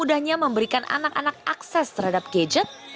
mudahnya memberikan anak anak akses terhadap gadget